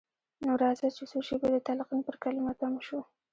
نو راځئ چې څو شېبې د تلقين پر کلمه تم شو.